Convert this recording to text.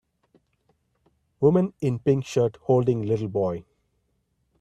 Woman in pink shirt holding little boy.